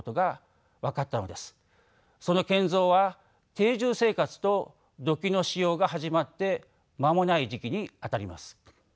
その建造は定住生活と土器の使用が始まって間もない時期にあたります。